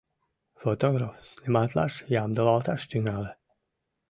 Фотограф сниматлаш ямдылалташ тӱҥале.